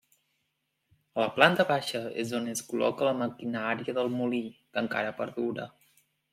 A la planta baixa és on es col·loca la maquinària del molí, que encara perdura.